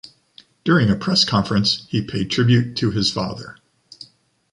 During a press conference, he paid tribute to his father.